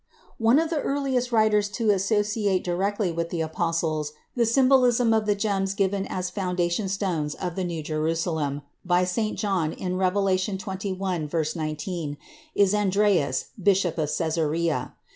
One of the earliest writers to associate directly with the apostles the symbolism of the gems given as foundation stones of the New Jerusalem by St. John in Revelation xxi, 19, is Andreas, bishop of Cæsarea.